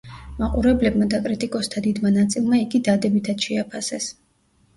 მაყურებლებმა და კრიტიკოსთა დიდმა ნაწილმა იგი დადებითად შეაფასეს.